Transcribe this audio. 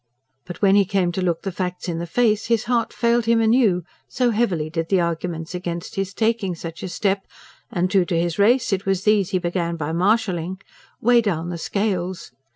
But when he came to look the facts in the face his heart failed him anew, so heavily did the arguments against his taking such a step and, true to his race, it was these he began by marshalling weigh down the scales.